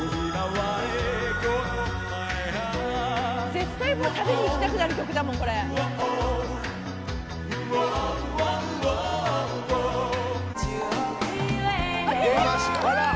「絶対旅に行きたくなる曲だもんこれ」「出ました」